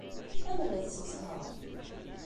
Amnet s zzheṛ!